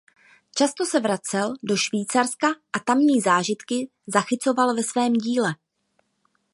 Často se vracel do Švýcarska a tamní zážitky zachycoval ve svém díle.